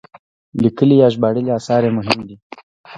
لیکلي یا ژباړلي اثار یې مهم دي.